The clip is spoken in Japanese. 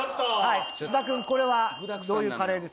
菅田君これはどういうカレーですか？